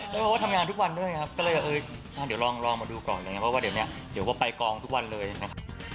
เพราะว่าทำงานทุกวันด้วยนะครับก็เลยเออเดี๋ยวลองมาดูก่อนนะครับเพราะว่าเดี๋ยวไปกองทุกวันเลยนะครับ